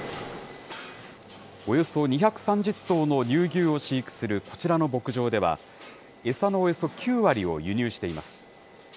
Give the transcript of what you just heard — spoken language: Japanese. およそ２３０頭の乳牛を飼育するこちらの牧場では、餌のおよそ９割を輸入しています。